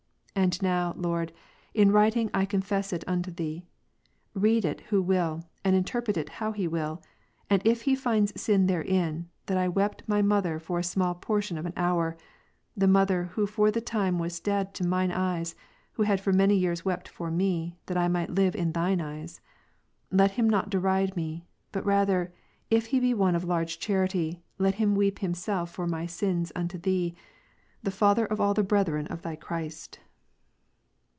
And now, Lord, in writing I con fess it unto Thee. Read it, who will, and interpret it, how he will : and if he finds sin therein, that I wept my mother for a small portion of an hour, (the mother who for the time was dead to mine eyes, who had for many years wept for me, that I might live in Thine eyes,) let him not deride me ; but rather, if he be one of large charity, let him weep himself for my sins unto Thee, the Father of all the brethren of Thy Christ.